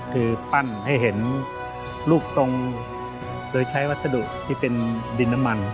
คือปั้นให้เห็นรูปทรงโดยใช้วัสดุที่เป็นดินน้ำมัน